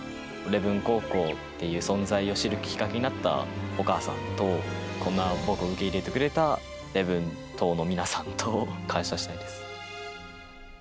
礼文高校っていう存在を知るきっかけになったお母さんと、こんな僕を受け入れてくれた礼文島の皆さんと、感謝したいです。